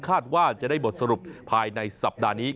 ว่าจะได้บทสรุปภายในสัปดาห์นี้